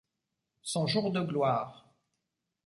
Son jour de gloire.